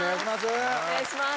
お願いします